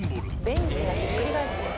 ベンチがひっくり返ってる。